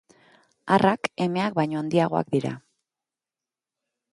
Arrak emeak baino handiagoak dira.